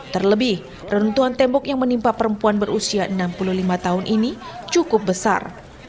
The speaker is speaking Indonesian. terlebih reruntuhan tembok yang menimpa perempuan berusia enam puluh lima tahun ini cukup besar